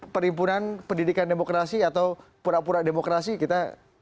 perhimpunan pendidikan demokrasi atau pura pura demokrasi kita